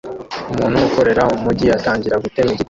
Umuntu ukorera umujyi atangira gutema igiti